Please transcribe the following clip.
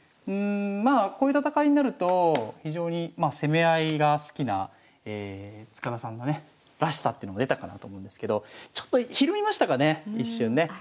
まあこういう戦いになると非常に攻め合いが好きな塚田さんのねらしさっていうのが出たかなと思うんですけどひるみましたかね一瞬ね。